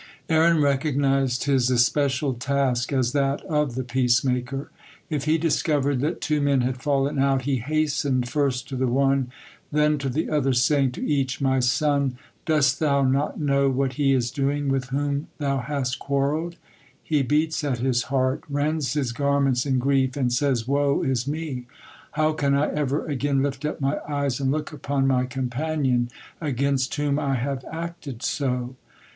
Aaron recognized his especial task as that of the peace maker. If he discovered that two men had fallen out, he hastened first to the one, then to the other, saying to each: "My son, dost thou not know what he is doing with whom thou hast quarreled? He beats at his heart, rends his garments in grief, and says, 'Woe is me! How can I ever again lift up my eyes and look upon my companion against whom I have acted so?'"